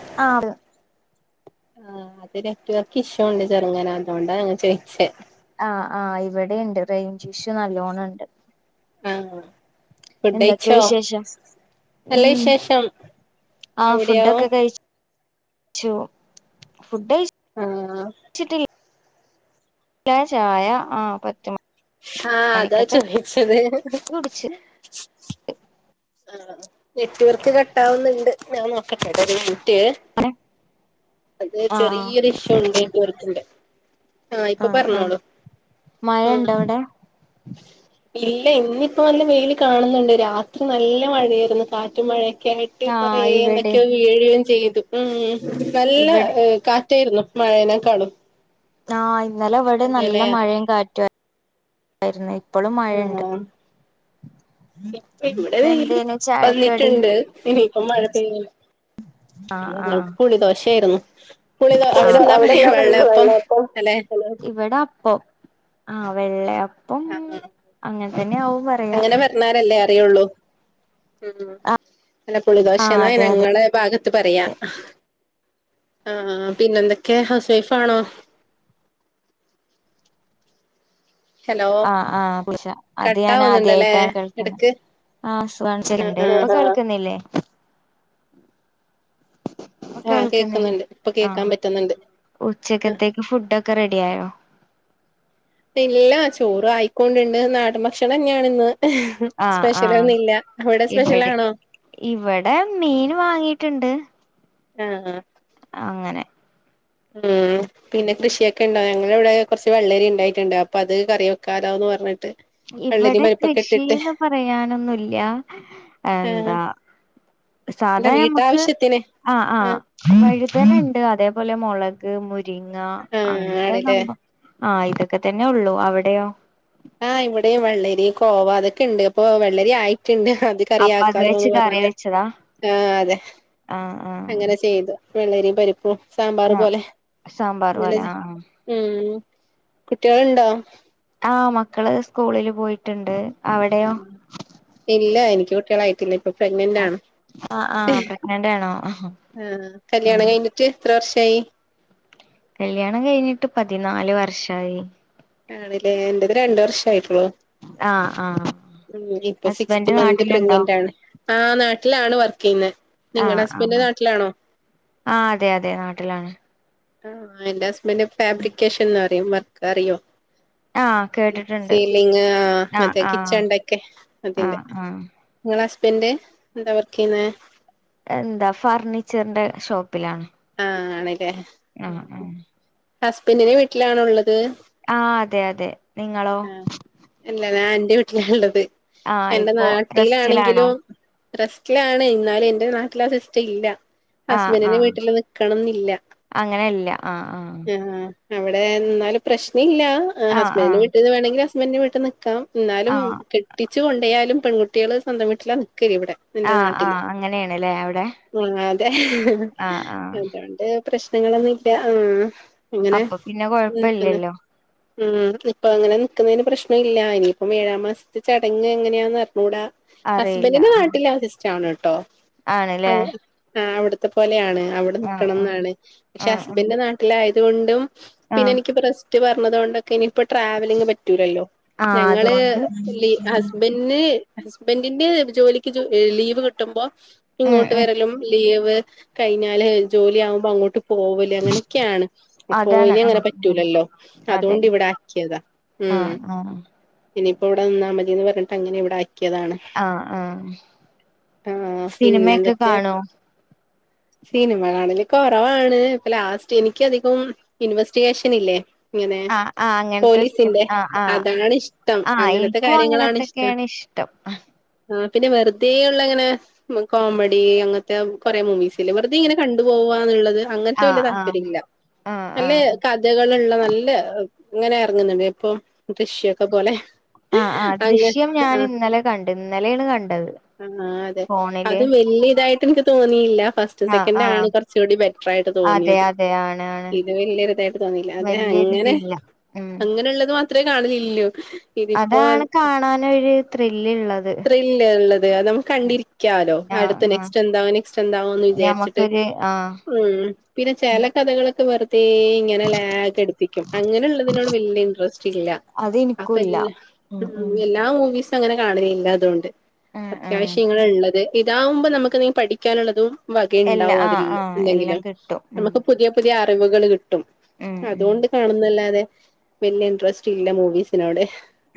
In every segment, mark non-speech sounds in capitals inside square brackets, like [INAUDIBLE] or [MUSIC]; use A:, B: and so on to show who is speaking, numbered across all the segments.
A: [UNINTELLIGIBLE]
B: ആഹ് അത്‌ നെറ്റ്‌വർക്ക് ഇഷ്യുണ്ട് ചെർങ്ങന അതോണ്ടാ ഞാൻ ചോയ്ച്ചേ
A: ആഹ് ആഹ് ഇവിടേണ്ട് റെയ്ഞ്ചിഷ്യു നല്ലോണണ്ട്
B: ആഹ്
A: എന്തൊക്കെ
B: ഫുഡ്ഡയ്ച്ചോ
A: വിശേഷം
B: നല്ല
A: ഉം
B: വിശേഷം അവ്ടെയോ
A: ചൂ ഫുഡ്ഡയ്ച്
B: ആഹ്
A: ചിട്ടിൽ ല ചായ ആഹ് പത്ത് മ
B: ആഹ് അതാ ചോയിച്ചത്
A: കുടിച്ച്
B: ആ നെറ്റ്‌വർക്ക് കട്ടാവുന്നുണ്ട് ഞാൻ നോക്കട്ടേ ഒരു മിനിറ്റ് അത്
A: ആഹ്
B: ചെറിയൊരു ഇഷ്യു ഉണ്ട് നെറ്റ് വർക്കിന്റെ ആഹ് ഇപ്പൊ പറഞ്ഞോളൂ ഉം
A: മഴണ്ടോ അവിടെ
B: ഇല്ല ഇന്ന് ഇപ്പോ നല്ല വെയില് കാണുന്നുണ്ട് രാ നല്ല മഴയായിരുന്നു കാറ്റും മഴയൊക്കെ ആയിട്ട്
A: ആഹ്
B: കുറേ
A: ഇവിടിം
B: എന്തൊക്കെയോ ഈ ഇടെയും ചെയ്തു ഉം നല്ല
A: ഇവിടെ
B: കാറ്റായിരുന്നു മഴേനെക്കാളും
A: ആഹ് ഇന്നലെ ഇവിടെ നല്ല
B: അതെല്ലേ
A: മഴയും കാറ്റു വായിരുന്നെ ഇപ്പൊളും മഴയുണ്ട്
B: ആഹ് ഇപ്പ ഇവിടെ വെയില്
A: ചായക്കടി
B: വന്നിട്ടുണ്ട് ഇനിയിപ്പം മഴ പെയ്യല ഞങ്ങൾക്ക് കുളി ദോശയായിരുന്നു
A: അവിടെല്ലാം റേഞ്ച് പോയല്ലേ
B: അല്ലെ
A: ഇവിടെ അപ്പം ആഹ് വെള്ള അപ്പം
B: ആഹ്
A: അങ്ങനെ തന്നെ ആകും വ
B: അങ്ങനെ പറഞ്ഞാലല്ലേ അറിയുള്ളൂ ഉം അല്ല പുളി
A: ആഹ്
B: ദോശേന്നാ
A: അതെ അതെ
B: ഞങ്ങളെ ഭാഗത്ത് ത്ത് പറയാ ആഹ് പിന്നെന്തൊക്കെ ഹൗസ് വൈഫ് ആണോ ഹലോ
A: ആഹ് ആഹ് പുളിശ അത് ഞാൻ
B: കട്ടാവുന്നുണ്ടല്ലേ
A: ആദ്യായിട്ടാണ് കേൾക്കുന്നത്
B: ഇടക്ക്
A: ആഹ്
B: ആഹ്
A: [UNINTELLIGIBLE]
B: ആഹ്
A: ഇപ്പൊ കേൾക്കുന്നില്ലേ ഇപ്പ
B: ആഹ്
A: കേൾക്കുന്നില്ലേ
B: കേക്കുന്നുണ്ട് ഇപ്പൊ
A: ആ
B: കേക്കാൻ പറ്റുന്നുണ്ട് ആഹ്
A: ഉച്ചക്കത്തേക്ക് ഫുടൊക്കെ റെഡി ആയോ
B: ഇല്ല ചോറായിക്കൊണ്ടിണ്ട് നാടൻ ഭക്ഷണം തന്നെയാണ് ഇന്ന് ഉം
A: ആഹ് ആഹ്
B: സ്പെഷ്യലൊന്നുമില്ല അവിടെ സ്പെഷ്യലാണോ
A: ഇവടെ മീൻ വാങ്ങിയിട്ടുണ്ട്
B: ആഹ്
A: ആ അങ്ങനെ
B: ഉം പിന്നെ കൃഷിയൊക്കെ ഉണ്ടോ ഞങ്ങളിവിടെ കുറച്ച് വെള്ളരി ഉണ്ടായിട്ടുണ്ട് അപ്പൊ അത് കറി വെക്കാലോന്ന് പറഞ്ഞിട്ട് വെള്ളരിയും
A: ഇവിടെ
B: പരിപ്പൊക്കെ ഇട്ടിട്ട്
A: കൃഷിന്ന് പറയാനൊന്നുല്യാ ആ
B: ആഹ്
A: എന്താ
B: അല്ല
A: സാധാ ഞമ്മക്ക്
B: വീട്ടാവശ്യത്തിന്
A: ആഹ് ആഹ് വഴുതന ഉണ്ട് അതേപോലെ മുളക് മുരിങ്ങ
B: ആഹ്
A: അങ്ങനത്തെ
B: ആണ്ല്ലേ
A: സംഭവം ആഹ് ഇതൊക്കെ തന്നെ ഉള്ളു അവിടെയോ
B: ആഹ് ഇവിടെ വെള്ളരി കോവ അതൊക്കെ ഉണ്ട് അപ്പൊ വെള്ളരി ആയിട്ടുണ്ട് അത്
A: അപ്പൊ അത് വെച്ച്
B: കറിയാക്കാലോന്ന്
A: കറി
B: പറഞ്ഞിട്ട്
A: വെച്ചതാ
B: ആഹ് അതെ
A: ആഹ്
B: അങ്ങനെ
A: ആഹ്
B: ചെ ചെയ്തു വെള്ളരിയും പരിപ്പും സാമ്പാറ്
A: ആഹ്
B: പോലെ
A: സാമ്പാർ
B: അങ്ങനെ
A: പോലെ
B: ചെ
A: ആഹ് ആഹ്
B: ഉം കുട്ടികളുണ്ടോ
A: ആഹ് മക്കള് സ്കൂളില് പോയിട്ടുണ്ട് അവിടെയോ
B: ആണോ ഇല്ല എനിക്ക് കുട്ടികളായിട്ടില്ല പ്രെഗ്നന്റാണ്
A: ആഹ് ആഹ് പ്രഗ്നന്റ് ആണോ
B: ആഹ്
A: ഉം
B: കല്യാണം കഴിഞ്ഞ് ട്ട് എത്ര വർഷായി
A: കല്യാണം കഴിഞ്ഞിട്ട് പതിനാല് വർഷമായി
B: ആണില്ലേ എന്റത് രണ്ട് വർഷേ ആയിട്ടുള്ളൂ
A: ആഹ് ആഹ്
B: ഉം ഇപ്പൊ സിക്സ്ത്
A: ഹസ്ബൻഡ്
B: മന്ത്
A: നാട്ടിലുണ്ടോ
B: പ്രഗ്നന്റ് ആണ് ആഹ് നാട്ടിലാണ് വർക്ക് ചെയ്യുന്നെ നിങ്ങടെ
A: ആഹ്
B: ഹസ്ബന്റ്
A: ആഹ്
B: നാട്ടിലാണോ
A: ആഹ് അതെ അതെ നാട്ടിലാണ്
B: ആഹ് എന്റെ ഹസ്ബന്റ് ഫാബ്രിക്കേഷൻ എന്ന് പറയും വർക്ക് അറിയോ
A: ആഹ് കേട്ടിട്ടുണ്ട്
B: സീലിങ് ആഹ് അതെ കിച്ചന്റെ ഒക്കെ അതിന്റെ
A: ആഹ് ആഹ്
B: നിങ്ങള ഹസ്ബൻഡ് എന്താ വർക്ക് ചെയ്യുന്നെ
A: എന്താ ഫർണിച്ചറിന്റെ ഷോപ്പിലാണ്
B: ആഹ് ആണില്ലേ
A: ആഹ് ആഹ്
B: ഹസ്ബൻഡെ വീട്ടിലാണുള്ളത്
A: ആ അതെ അതെ നിങ്ങളോ
B: അല്ല ഞാൻ എന്റെവീട്ടില ഉള്ളത്
A: ആഹ്
B: എന്റെ
A: ഇപ്പോ റെസ്റ്റിലാണോ
B: നാട്ടിലാണെങ്കിലും റെസ്റ്റിലാണ് ഇന്നാലും എന്റെ നാട്ടിൽ ആ സിസ്റ്റം ഇല്ല
A: ആഹ്
B: ഹസ്ബൻഡെ
A: ആഹ്
B: വീട്ടില് നിൽക്കണംന്നില്ല
A: അങ്ങനെ ഇല്ല ആഹ്
B: ആഹ് അവിടെ എന്നാലും പ്രശ്നംല്ല
A: ആഹ്
B: ഹസ്ബൻഡറിന്റെ
A: ആഹ്
B: വീട്ടിൽ നിന്ന് വേണമെങ്കിൽ നിക്കാം ഹസ്ബൻഡറിന്റെ വീട്ടിൽ നിൽക്കാം എന്നാലും
A: ആഹ് ആഹ്
B: കെട്ടിച്ചു കൊണ്ടോയാലും പെൺകുട്ടികള് സൊന്തം വീട്ടിലാ നിക്കു നിക്കില്ലഇവിടെ നിന്റെ
A: ആഹ്
B: നാട്ടില്
A: ആഹ് അങ്ങനെയാണ്ല്ലേ അവിടെ
B: ആ അതെ
A: ആഹ് ആഹ്
B: അതുകൊണ്ട് പ്രശ്നങ്ങളൊന്നുംല്ല അ എങ്ങനെ
A: അപ്പൊ പിന്നെ
B: നിക്കുന്നെ
A: കൊഴപ്പല്ലല്ലോ
B: ഉ നി ഇപ്പൊ അങ്ങനെ നിക്കുന്നതിന് പ്രശ്ന ഇല്ല ഇനിയിപ്പം ഏഴാ മാസത്തെ ചടങ്ങ് എങ്ങനെയാന്ന് അറിഞ്ഞുടാ
A: അറിയില്ല
B: ഹസ്ബൻറിന്റെ
A: ആഹ്
B: നാട്ടിൽ ആ സിസ്റ്റം ആണ് കേട്ടോ ആ
A: ആണ്ല്ലേ
B: അവിടുത്തെ ത്തെ പോലെയാണ് അവിടെ
A: ആഹ്
B: നിക്കണം
A: ആഹ്
B: എന്നാണ് പക്ഷെ
A: ആഹ് ആഹ്
B: ഹസ്ബിന്റെ നാട്ടിലാ ആയതുകൊണ്ടും പിന്നെ
A: ആഹ്
B: എനിക്ക് പ്രസ്റ്റ് പറഞ്ഞത് കൊ ണ്ടക്കെ ഇനി പ്പൊ ട്രാവലിംഗ്പറ്റൂലല്ലോ
A: ആഹ്
B: ഞങ്ങള്
A: അതുകൊണ്ട്
B: ലീ ഹസ് - ബെന്ന് ഹസ്ബൻന്റെ ജോലിക്ക് ലീവ് കിട്ടുമ്പോ
A: ഉം
B: ഇങ്ങോട്ട്
A: ഉം
B: വരെലും ലീവ് കഴിഞ്ഞാല് ജോലി ആകുമ്പോ അങ്ങോട്ട് പോവല് അങ്ങനെയൊക്കെയാണ് അപ്പോ
A: അതാണ്
B: ഇനി അങ്ങനെ
A: ആഹ്
B: പറ്റൂലല്ലോ
A: അതെ
B: അതുകൊണ്ട് ഇവിടെ ക്കിയതാ
A: ആഹ് ആഹ്
B: ഉംഇനിപ്പോ ഇവിടെ നിന്നാമതിന്ന് പറഞ്ഞിട്ട് അങ്ങനെ ഇവിടെ ആക്കിയതാണ്
A: ആഹ് ഹ
B: ആ പിന്നെ
A: സിനിമയൊക്കെ
B: എന്തൊക്കെ
A: കാണോ
B: സിനിമ കാണല്കുറവാണ് ഇപ്പൊ ലാസ്റ്റ് എനക്ക് അധികം ഇൻവെസ്റ്റിഗേഷൻ ഇല്ലേ ഇങ്ങനെ
A: ആഹ് ആഹ് അങ്ങനത്തെ സിനിമ
B: പോലീസിന്റെ
A: ആഹ് ആഹ്
B: അതാണ്ഇഷ്ടം അങ്ങനത്തെ കാര്യങ്ങളാണ് ഇഷ്ടം
A: ട്ടം
B: ആ പിന്നെ വെറുതെ ഉള്ള ഇങ്ങനെ കോമഡി അങ്ങനത്തെ കൊറെ മൂവിസ് ഇല്ലേ വെറുതെ ഇങ്ങനെ ക പോവാനുള്ളത് അങ്ങനത്തെ
A: ആഹ്
B: വല്യ
A: ആഹ്
B: താല്പര്യമില്ല
A: ആഹ്
B: നല്ല
A: ആഹ്
B: ക ഇതകളുള്ള നല്ല ഇങ്ങനെ ഇറങ്ങുന്നുണ്ട് ഇപ്പൊ കൃഷിയൊക്കെ പോലെ
A: ആഹ്ആ
B: അങ്ങ
A: ദൃശ്യം ഞാൻ
B: ആഹ്
A: ഇന്നലെ കണ്ടു ഇന്നലെയാണ് കണ്ടത്
B: ആഹ് അതെ
A: ഫോണില്
B: അതും വല്യയ ഇതായിട്ട് എനിക്ക് തോന്നിയില്ല ഫസ്റ്റ്
A: ആഹ്
B: സെക്കൻഡ ആണ്
A: ആഹ്
B: കുറച്ച് കുറച്ചു കുടിബെറ്റർആയിട്ട്
A: അതെ
B: തോന്നിയത്
A: അതെ ആണ് ആണ്
B: ഇത് വലിയ ഇതായിട്ട് തോന്നില്ല അതെ
A: വലിയൊരു
B: അങ്ങനെ
A: ഇതില്ല ഉം
B: അങ്ങനെയുള്ളത് മാത്രമേ കാണലില്ലു ഇതിപ്പോ
A: അതാണ് കാണാനൊ രു ത്രില്ല്ള്ളത്
B: ത്രില് ഉള്ളത് അത് നമ്മുക്ക് കണ്ടിരിക്കാലോ
A: ആഹ്
B: അടുത്ത
A: ആഹ്
B: നെക്സ്റ്റ് എന്താവും നെക്സ്റ്റ് എന്താാവോന്ന് വിചാരിച്ചിട്ട്
A: ഞമ്മക്കൊരു ആഹ്
B: ഉ പിന്നെ ചില കഥകളൊക്കെ വെറുതെ ഇങ്ങനെ ലാഗ് ടുപ്പിക്കും അങ്ങനെ ഉള്ളതിനോട് വല്യ ഇൻട്രസ്റ്റ് ഇല്ല
A: അത് ഇനിക്കുല്ല
B: അപ്പൊല്ലാ
A: ഉം ഉം
B: എല്ലാ മൂവിസും അങ്ങനെ കാണണില്ല അതുകൊണ്ട്
A: ഉം ഉം
B: അത്യാവശ്യം ഇങ്ങ ഉള്ളത് ഇതാവുമ്പോ നമുക്ക് എന്തെങ്ക പഠിക്കാനുള്ളതും
A: എല്ലാ
B: വകയുണ്ടാവുംഅതിൽ
A: ആഹ് ആഹ്
B: എന്തെങ്കിലും
A: എല്ലാം കിട്ടും ഉം
B: നമുക്ക് പുതിയ പുതിയ അറിവുകൾ കിട്ടും
A: ഉം ഉം
B: അതുകൊണ്ട് കാണുന്നല്ലാതെ പിന്നെഇൻട്രസ്റ്റ് ഇല്ല മൂവീസിനോട്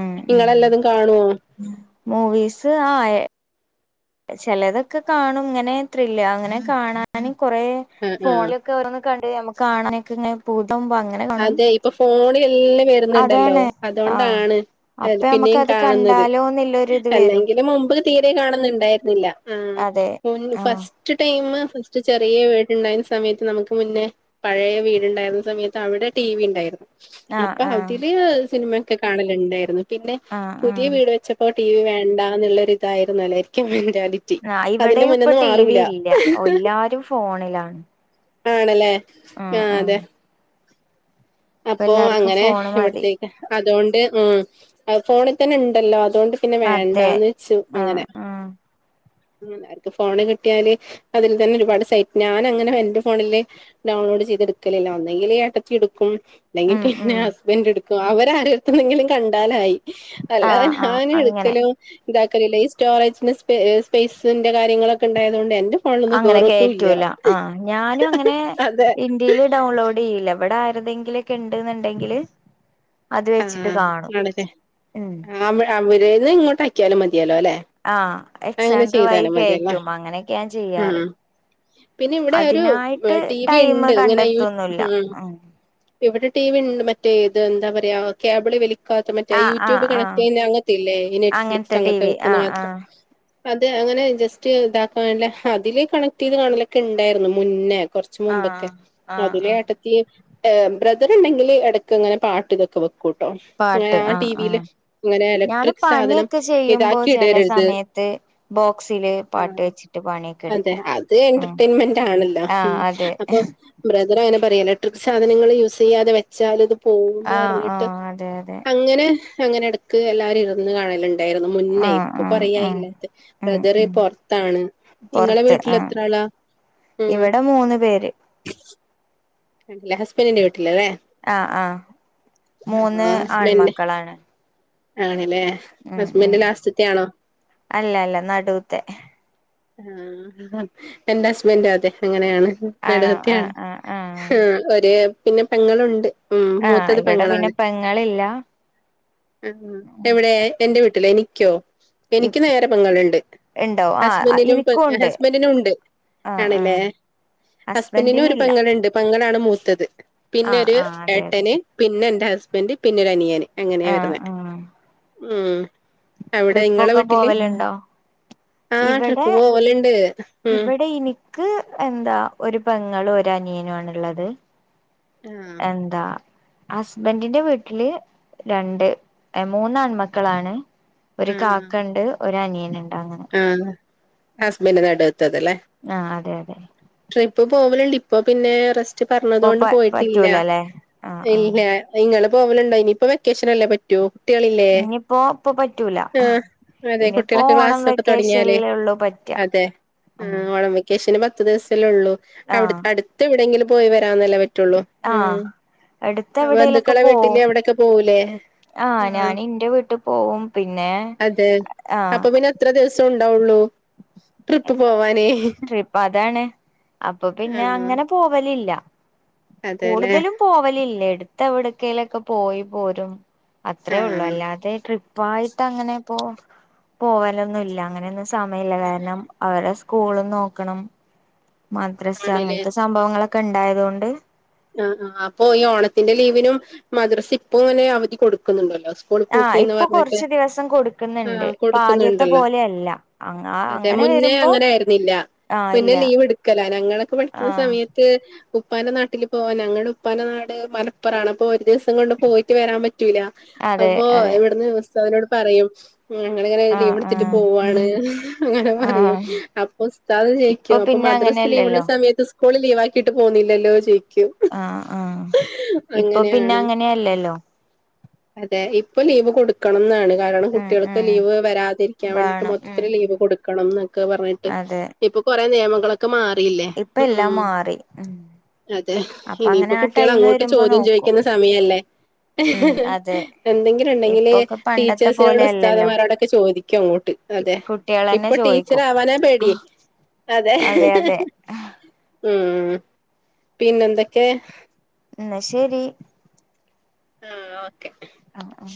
A: ഉം ഉം
B: നിങ്ങളെല്ലതും കാണുവോ
A: മൂവീസ് ആ ഏ ചിലതൊക്കെ കാണും ഇങ്ങനെ ത്രില്ല് അങ്ങനെ കാണാൻ കൊറ
B: ആഹ് ആഹ്
A: ഫോണില ക്ക് ഓരോന്നക്കെ കണ്ട് നമുക്ക് കാണാനൊക്കെ ഇങ്ങനെ പൂതാവുമ്പോ അങ്ങനെ കാണും
B: അതെ ഇപ്പൊ ഫോന്എല്ലാം വരുന്നുണ്ടല്ലോ
A: അതാണ് ആഹ്
B: അതൊണ്ടാണ് അഹ്
A: അപ്പൊ
B: പിന്നെയും
A: നമ്മക്കത്
B: കാണുന്നത്
A: കണ്ടാലോന്നുള്ളൊരിത് വരും
B: അല്ലെങ്കും മുമ്പ് തീരെ കാണുന്നുണ്ടായിരുന്നില്ല ആ
A: അതെ ആഹ്
B: ഫസ്റ്റ് ഫറ്റ് ടൈം ഫസ്റ്റ് ചെറിയ വീടുണ്ടായിരുന്ന സമയത്ത് നമുക്ക് മുന്നേ പഴയ വീടുണ്ടായിരുന്ന സമയത്ത് അവിടെ ടി വി ഉണ്ടായിരുന്നു
A: ആഹ്
B: അപ്പൊ
A: ആഹ്
B: അവതില് സിനിമ ഒക്കെ കാണലുണ്ടായിരുന്നു പിന്നെ
A: ആഹ്
B: പുതിയ
A: ആഹ്
B: വീട് വെച്ചപ്പോ ടി വി വേണ്ടാന്നുള്ളരി ഇതായിരുന്നല്ലോ എനിക്ക് പരാതി റ്റി
A: ആഹ്
B: അതിന്റെ
A: ഇവിടെയും ഇപ്പൊ
B: മുന്ന്ന്ന്
A: ടി വി
B: മാറൂല.
A: ഇല്ല എല്ലാരും ഫോണിലാണ്
B: ആണല്ലേ? ആഹ് അതെ.
A: ഇപ്പ
B: അപ്പോ
A: എല്ലാർക്കും
B: അങ്ങനെ
A: ഫോണ് മതി
B: ഇവിടത്തേക്ക്, അതുകൊണ്ട്, ഉം. ഫോണിൽ തന്നെ ഉണ്ടല്ലോ? അതുകൊണ്ട് പിന്നെ
A: അതെ
B: വേണ്ടാന്ന് വെച്ചു.
A: ആഹ്
B: അങ്ങനെ.
A: ആഹ്
B: ഉം ആർക്ക് ഫോണ് കിട്ടിയാല് അതില് തന്നെ ഒരുപാട് സൈറ്റ്, ഞാനങ്ങനെ എന്റെ ഫോണില് ഡൗൺലോഡ് ചെയ്തെട്ക്കലില്ലാ. ഒന്നെങ്കില് ഏട്ടത്തി എടുക്കും. അല്ലെങ്കി
A: ഉം
B: പിന്നെ
A: ഉം
B: ഹസ്ബന്റെട്ക്കും. അവരാരട്ത്തുന്നെങ്കിലും കണ്ടാലായി. അല്ലാതെ
A: ആഹ് ആഹ്
B: ഞാന്
A: അങ്ങനെ
B: എടുക്കലൂ ഇതാക്കലില്ല. ഈ സ്റ്റോറേജിന്റെ സ്പേസിന്റെ കാര്യങ്ങളൊക്കെ ഇണ്ടായതുകൊണ്ട് എന്റെ ഫോണിലൊന്നും
A: അങ്ങനെ
B: കേറത്തും ഇല്ല
A: കേറ്റൂല ആഹ്. ഞാനും അങ്ങനെ
B: അതെ
A: ഇന്ത്യേല് ഡൗൺലോഡ് ചെയ്യില്ല. ഇവടെ ഏതെങ്കിലൊക്കെ ഇണ്ട്ന്ന്ണ്ടെങ്കില് അത് വെച്ചിട്ട്
B: ആഹ്
A: കാണും.
B: ആണല്ലേ
A: ഉം
B: ആഹ് അവരേന്ന് ഇങ്ങോട്ടാക്കിയാലും മതിയല്ലോല്ലെ?
A: ആഹ് എക്സാണ്ടർ വഴി കയറ്റും. അങ്ങനെയൊക്കെയാ ഞാൻ ചെയ്യാറ്.
B: ഉം പിന്നെ ഇവിടെ ഒരു
A: അതിനായിട്ട്
B: ടി വി
A: ടൈം
B: ഇണ്ട്. ഇങ്ങനെ യൂ.
A: കണ്ടെത്തൊന്നുല്ല
B: ഉം ഇവിടെ ടി വി ഇണ്ട് മറ്റേ ഇത്, എന്താ പറയാ, കേബിള് വലി ക്കാത്ത മറ്റേ
A: ആഹ്
B: യൂട്യൂബ്
A: ആഹ്
B: കണക്ട്
A: ആഹ്
B: ചെയ്യുന്ന അങ്ങൻത്തെ ഇല്ലേ, ഈ നെറ്റ്ഫ്ലിക്സ്
A: അങ്ങനത്തെ ടി
B: അങ്ങൻത്തെ
A: വി
B: വെക്ക്ന്ന
A: ആഹ്
B: മാത്രം.
A: ആഹ്
B: അത് അങ്ങനെ ജസ്റ്റ് ഇതാക്കാനില്ലേ, അതില് കണക്ട് ചെയ്ത് കാണലൊക്കെ ഇണ്ടായിരുന്നു മുന്നേ. കൊറച്ച്
A: ആഹ്
B: മുമ്പൊക്കെ.
A: ആഹ്
B: അതിലു
A: ആഹ്
B: ഏട്ട ലു. ഈഹ് ബ്രദറ്ണ്ടെങ്കില് എടക്കിങ്ങനെ പാട്ട് ഇതൊക്കെ വെക് ക്കൂട്ടോ. അങ്ങനെ
A: പാട്ട്
B: ആ ടി
A: ആഹ്
B: വി ല്.
A: ആഹ്
B: ഇങ്ങനെ
A: ഞാന്
B: ഇലക്ട്രിക് സാധനം
A: പണിയൊക്കെ ചെയ്യുമ്പോ
B: ഇതാക്കി
A: ചെല
B: ഇടരുത്
A: സമയത്ത് ബോക്സില് പാട്ട്
B: ആഹ്
A: വെച്ചിട്ട് പണിയൊക്കെ
B: അതെ.
A: എടുക്കും
B: അത്
A: ഉം
B: എന്റർടെൻമെന്റ് ആണല്ലോ?
A: ആഹ്
B: ഹ്മ്മ്
A: അതെ
B: അപ്പൊ ബ്രദർ അങ്ങനെ പറയും, എലക്ട്രിക് സാധനങ്ങൾ യൂസ് ചെയ്യാതെ വെച്ചാലത് പോവൂന്ന്
A: ആഹ്
B: പറഞ്ഞിട്ട്,
A: ആഹ് അതെ അതെ
B: അങ്ങനെ അങ്ങനെ എടക്ക് എല്ലാവരും ഇര്ന്ന് കാണല് ഇണ്ടായിരുന്നു മുന്നേ.
A: ആഹ്
B: ഇപ്പൊ
A: ആഹ് ആഹ്
B: കൊറേയായില്ലേ.
A: ഉം
B: ബ്രദറ്
A: ഉം
B: പൊറത്താണ്. നിങ്ങളെ
A: പൊറത്ത് ആഹ്
B: വീട്ടിലെത്ര ആളാ? ഉം
A: ഇവിടെ മൂന്ന് പേര്.
B: കണ്ടില്ല. ഹസ്ബൻറിന്റെ വീട്ടിലാ അല്ലേ?
A: ആഹ് ആഹ് മൂന്ന് ആൺമക്കളാണ്.
B: ആണ്ല്ലേ?
A: ഉം ഉം. അല്ല അല്ല നടൂത്തെ.
B: ആഹ് എന്റെ ഹസ്ബന്റൂ അതെ. അങ്ങനെയാണ്,
A: ആണോ ആഹ്
B: നടൂത്തെയാണ്.
A: ആഹ് ആഹ്
B: ഹും ഒര്, പിന്നെ പെങ്ങളുണ്ട്. ഉം
A: ആഹ്
B: മൂത്തത്
A: ഇവിടെ പിന്നെ
B: പെങ്ങളാണ്.
A: പെങ്ങളില്ല
B: അഹ് എവിടെ എന്റെ വീട്ടില്, എനിക്കോ? എനിക്ക് നേരെ പെങ്ങള്ണ്ട്.
A: ഇണ്ടോ ആഹ്
B: ഹസ്ബന്റിനും പെ,
A: ഇനിക്കുണ്ട്
B: ഹസ്ബന്റിനും ഇണ്ട്.
A: ആഹ്
B: ആണല്ലേ?
A: ആഹ്
B: ഹസ്ബന്റിനും ഒരു
A: ഹസ്ബൻഡിനില്ല
B: പെങ്ങള്ണ്ട്. പെങ്ങളാണ് മൂത്തത്. പിന്നെ
A: ആഹ്
B: ഒരു
A: ആഹ് അതെ അതെ
B: ഏട്ടന്, പിന്നെന്റെ ഹസ്ബന്റ് പിന്നെ ഒരു അനിയന്. അങ്ങനെയാ
A: ആഹ്
B: വര്ന്നേ.
A: ആഹ്
B: ഉം. അവിടെ ഇങ്ങളെ
A: ട്രിപ്പൊക്കെ
B: വീട്ടില്?
A: പോവലുണ്ടോ
B: ആഹ് ട്രിപ്പ്
A: ഇവിടെ
B: പോവല്ണ്ട്. ഉം
A: ക്ക് എന്താ ഒരു പെങ്ങളു ഒരനിയനു ആണ്ള്ളത്.
B: ആഹ്
A: എന്താ ഹസ്ബന്റിന്റെ വീട്ടില് രണ്ട്, മൂന്നാൺമക്കളാണ്. ഒരു
B: ആഹ്
A: കാക്കണ്ട് ഒരനിയന്ണ്ട്. അങ്ങനെ.
B: ആഹ് ഹസ്ബന്റ് നടൂത്തതല്ലേ?
A: ആഹ് അതെ അതെ
B: ട്രിപ്പ് പോവല്ണ്ട്. ഇപ്പൊ പിന്നെ റെസ്റ്റ്
A: ഇപ്പൊ
B: പറഞ്ഞതോണ്ട്
A: പ
B: പോയിട്ടില്ല.
A: പറ്റൂലല്ലേ ആഹ് ആഹ്
B: ഇല്ലാ. ഇങ്ങള് പോവലുണ്ടോ? ഇനീപ്പ വെക്കേഷനല്ലേ പറ്റ് റ്റോ കുട്ട്യേളില്ലേ?
A: ഇനിയിപ്പോ ഇപ്പൊ പറ്റൂല
B: ആഹ് അതെ
A: ഇനിയിപ്പോ
B: കുട്ട്യേളൊക്കെ
A: ഓണം
B: ക്ലാസ്സ് തൊടങ്ങിയാല്.
A: വെക്കേഷനിലേ ഉള്ളൂ പറ്റ
B: അതെ
A: ഉം
B: ആഹ് വെക്കേഷന് പത്ത് ദിവസല്ലേള്ളു.
A: ആഹ്
B: അട്ത്ത് എവിടെങ്കിലും പോയി വരാനല്ലെ പറ്റുള്ളൂ.
A: ആ
B: ഉം
A: എടുത്തെവിടെലൊക്കെ
B: ബന്ധുക്കളെ
A: പോവും
B: വീട്ടില് അവിടൊക്കെ പോവൂലേ
A: ആ
B: ആഹ്
A: ഞാനിന്റെ വീട്ടി പോവും പിന്നെ ആ
B: അപ്പ പിന്നെത്ര ദിവസം ണ്ടാവുള്ളു ട്രിപ്പ് പോവാനേ
A: ട്രിപ്പതാണ് അപ്പൊ പിന്നെ
B: ആഹ്
A: അങ്ങനെ പോവലില്ല
B: അതെല്ലേ
A: കൂടുതലും പോവലില്ലേടുത്തവിടക്കയിലൊക്കെ പോയി പോരും അത്രേ ഉള്ളു
B: ആഹ്
A: അല്ലാതെ ട്രിപ്പായിട്ട് അങ്ങനെ പോ പോവലൊന്നുല്ല അങ്ങനൊന്നും സമയില്ല കാരണം അവരെ സ്കൂള് നോക്കണം
B: ആണ്ല്ലേ
A: മദ്രസങ്ങനത്തെ സംഭവങ്ങളൊക്കെ ണ്ടായതുകൊണ്ട്
B: ആഹ് ആഹ് അപ്പൊ ഈ ഓണത്തിന്റെ ലീവിനും മദ്രസ്പ്പങ്ങനെ അവധി കൊടുക്കുന്നുണ്ടല്ലോ ൾ
A: ആഹ്
B: പൂട്ടിന്ന്
A: ഇപ്പൊ
B: പറഞ്ഞിട്ട്
A: കൊറച്ച് ദിവസം കൊടുക്കുന്നുണ്ട്
B: ആ
A: ഇപ്പൊ ആദ്യത്തെ
B: കൊടുക്കുന്നുണ്ടല്ലോ
A: പോലെയല്ല അങ്ങ
B: അതെ
A: അങ്ങനെ
B: മുന്നേ
A: വരുമ്പോ
B: അങ്ങനെയിരുന്നില്ല
A: ആഹ്
B: മുന്നേ
A: ഇല്ല
B: ലീവെടുക്കല ഞങ്ങളൊക്കെ പഠിക്കുന്ന
A: ആഹ്
B: സമയത്ത് ക്ക് ഉപ്പാൻ്റെ നാട്ടില് പോവാൻ നങ്ങടെ ഉപ്പാൻ്റെ നാട് മലപ്പറാണ് അപ്പോ ഒരു ദിവസ കൊണ്ട് പോയിട്ട് വരാൻ പറ്റൂല
A: അതെ
B: അപ്പൊ
A: അതെ
B: ഇവിടുന്ന് ഉസ്താദിനോട് പറയും ഞങ്ങള്ങ്ങനെ
A: ആഹ്
B: ലീവ്ടുത്തിട്ട്
A: ആഹ്
B: പോവാണ്ഹ് അങ്ങനെ പറയും
A: ആഹ്
B: അപ്പൊസ് താദ്
A: ഇപ്പൊ
B: ചോയ്ക്കും അപ്പൊ
A: പിന്നെ
B: മദ്രസ് ലീവ്ള്ള
A: അങ്ങനെയല്ലല്ലോ
B: സമയത്ത് ഇസ്കൂള് ലീവാക്കിട്ട് പോന്നില്ലല്ലോ ചോയ്ക്കും
A: ആഹ് ആഹ് ഇപ്പപിന്നങ്ങനെയല്ലല്ലോ
B: അതെ ഇപ്പ ലീവ് കൊടു ക്കണംന്നാണ് കാരണം
A: ഉം
B: കുട്ട്യൾക്ക്
A: ഉം
B: ലീവ് വരാതിരിക്കാൻ വേണ്ടിട്ട്
A: വേണം ഉം
B: മൊത്തത്തില്
A: ഉം
B: ലീവ് കൊടുക്കണംന്നക്കെ പറഞ്ഞിട്ട്
A: അതെ
B: ഇപ്പൊ കൊറെ നിയമങ്ങളൊക്കെ മാറിയില്ലേ
A: ഇപ്പ എല്ലാം
B: ഉംഹ്
A: മാറി ഉം
B: അതെ
A: അപ്പ അങ്ങനെ
B: ഇനിയിപ്പൊ
A: ആ ടൈം
B: കുട്ടികളങ്ങോട്ട്
A: വരുമ്പോ
B: ചോദ്യം
A: നോക്കും
B: ചോദിക്കുന്ന സമയല്ലേ
A: ഉം
B: ഹ്ഹ്
A: അതെ
B: എന്തെങ്കില്ണ്ടെങ്കില്
A: ഇപ്പൊക്കെ പണ്ടത്തെ പോലെ അല്ലല്ലോ
B: ടീച്ചേഴ്സിനോടൊസ്താദ്മാരോടൊക്കെ ചോദിക്കും അങ്ങോട്ട് അതെ
A: കുട്ടികളന്നെ
B: ഇപ്പൊ
A: ചോദിക്കും
B: ടീച്ചറാവാനാ പേടി അതെ ഹ്ഹ്ഹ് ഉം പിന്നെന്തൊക്കെ
A: ആ ശരി
B: ആ ഓക്കെ
A: ആ